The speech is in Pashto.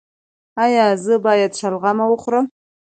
ایا زه باید شلغم وخورم؟